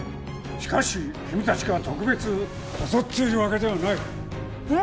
しかし君達が特別劣っているわけではないえっ？